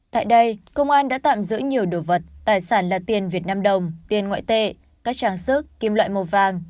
tại đây công an đã tạm giữ nhiều đồ vật tài sản là tiền việt nam đồng tiền ngoại tệ các trang sức kim loại màu vàng